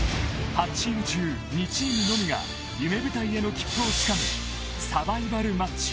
［８チーム中２チームのみが夢舞台への切符をつかむサバイバルマッチ］